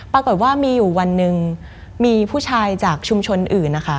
ปรากฏว่ามีอยู่วันหนึ่งมีผู้ชายจากชุมชนอื่นนะคะ